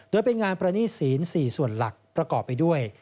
โดยเป็นงานประณีตศีล๔ส่วนหลักประกอบไปด้วย